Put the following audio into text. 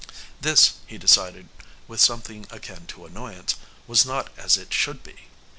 This, he decided with something akin to annoyance, was not as it should be.